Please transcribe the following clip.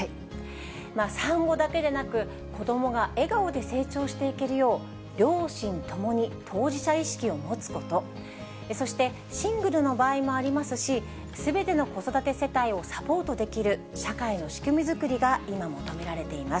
産後だけでなく、子どもが笑顔で成長していけるよう、両親ともに当事者意識を持つこと、そして、シングルの場合もありますし、すべての子育て世帯をサポートできる社会の仕組み作りが今、求められています。